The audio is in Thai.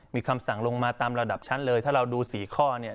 มีคำสั่งลงมาตามระดับชั้นเลยถ้าเราดู๔ข้อเนี่ย